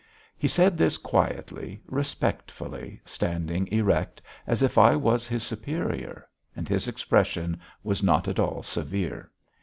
'" He said this quietly, respectfully, standing erect as if I was his superior, and his expression was not at all severe.